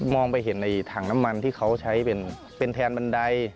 ไปเห็นในถังน้ำมันที่เขาใช้เป็นแทนบันได